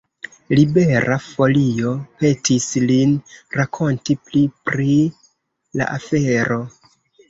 Libera Folio petis lin rakonti pli pri la afero.